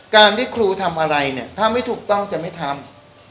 การที่ครูทำอะไรเนี่ยถ้าไม่ถูกต้องจะไม่ทำ